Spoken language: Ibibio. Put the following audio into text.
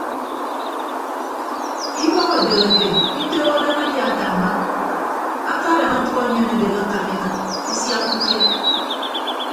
Ibọk edeheke itooho daña abia atañña akadañ atʌk enyen adehe akan ekịt isiakka ifia.